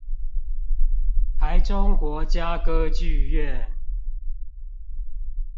臺中國家歌劇院